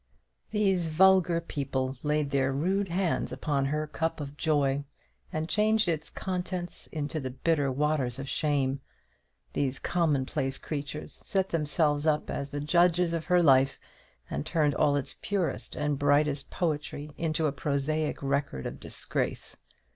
These vulgar people laid their rude hands upon her cup of joy, and changed its contents into the bitter waters of shame. These commonplace creatures set themselves up as the judges of her life, and turned all its purest and brightest poetry into a prosaic record of disgrace.